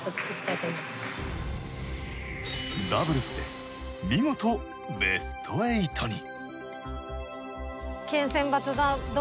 ダブルスで見事ベスト８に！